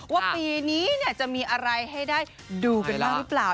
ว่าปีนี้จะมีอะไรให้ได้ดูกันบ้างหรือเปล่า